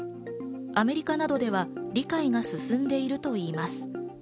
アメリカなどでは理解が進んでいるといいます。